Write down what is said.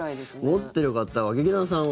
持ってる方は劇団さんは？